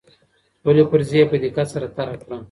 خپلي فرضې په دقت سره طرحه کړه.